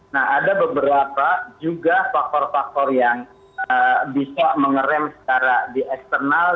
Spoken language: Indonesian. nah ada beberapa juga faktor faktor yang bisa mengerem secara di eksternal